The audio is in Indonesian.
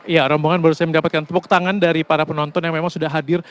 ya rombongan baru saja mendapatkan tepuk tangan dari para penonton yang memang sudah hadir